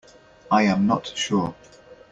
I am not sure.